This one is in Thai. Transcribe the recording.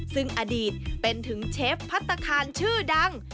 ซึ่งอดีตเป็นถึงเชฟพัฒนาคารชื่อดัง